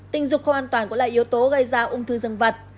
tình dục không an toàn cũng là yếu tố gây ra ung thư dương vật